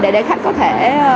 để khách có thể